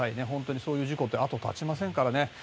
そういう事故って後を絶ちませんからね。